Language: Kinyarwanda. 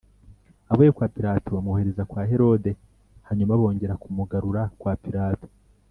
avuye kwa pilato bamwohereza kwa herode, hanyuma bongera kumugarura kwa pilato